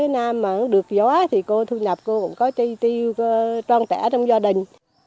nam được gió thì cô thu nhập cô cũng có chi tiêu tròn trẻ trong gia đình